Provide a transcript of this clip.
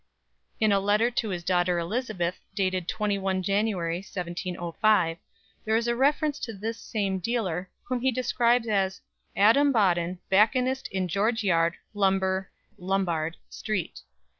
In a letter to his daughter Elizabeth, dated 21 January 1705, there is a reference to this same dealer, whom he describes as "Adam Bodden, Bacconist in George Yard, Lumber [Lombard] Street."